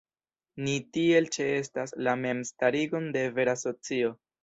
Ni tiel ĉeestas "la mem-starigon de vera socio".